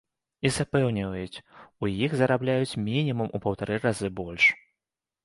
І запэўніваюць, у іх зарабляюць мінімум у паўтары разы больш.